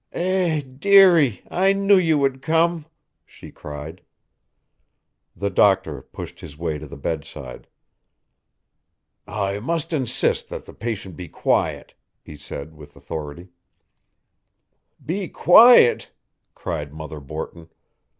"Eh, dearie, I knew you would come," she cried. The doctor pushed his way to the bedside. "I must insist that the patient be quiet," he said with authority. "Be quiet?" cried Mother Borton.